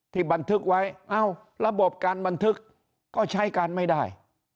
บันทึกไว้เอ้าระบบการบันทึกก็ใช้การไม่ได้